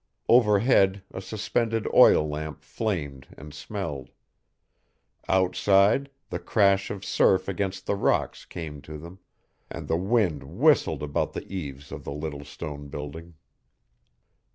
Overhead a suspended oil lamp flamed and smelled. Outside the crash of surf against the rocks came to them, and the wind whistled about the eaves of the little stone building.